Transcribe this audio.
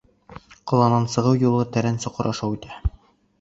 Ҡаланан сығыу юлы тәрән соҡор аша үтә.